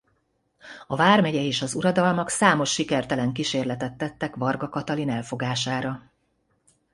A vármegye és az uradalmak számos sikertelen kísérletet tettek Varga Katalin elfogására.